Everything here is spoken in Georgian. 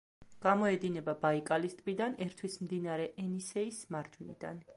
გამოედინება ბაიკალის ტბიდან, ერთვის მდინარე ენისეის მარჯვნიდან.